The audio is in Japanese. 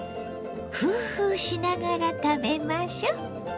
フーフーしながら食べましょ。